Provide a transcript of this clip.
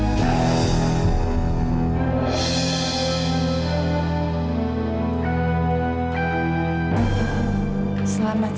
saya akan berjalan ke rumah